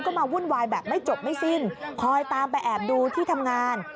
ก็มาวุ่นวายแบบไม่จบไม่สิ้นคอยตามไปแอบดูที่ทำงาน